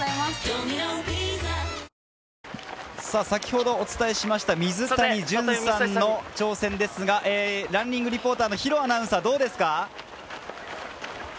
先ほどお伝えしました水谷隼さんの挑戦ですが、ランニングリポーターの弘アナウンサー、どうですか？